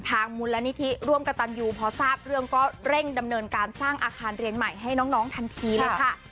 มูลนิธิร่วมกับตันยูพอทราบเรื่องก็เร่งดำเนินการสร้างอาคารเรียนใหม่ให้น้องทันทีเลยค่ะ